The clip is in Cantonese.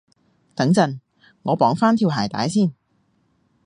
等陣，我綁返條鞋帶先